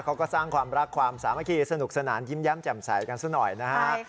เขาก็สร้างความรักความสามัคคีสนุกสนานยิ้มแย้มแจ่มใสกันซะหน่อยนะฮะ